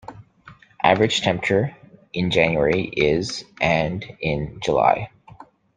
Average temperature in January is and in July.